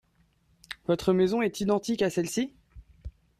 Votre maison est identique à celle-ci ?